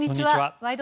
「ワイド！